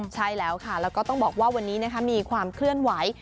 ใช่แล้วค่ะแล้วก็ต้องบอกว่าวันนี้มีความเคลื่อนไหว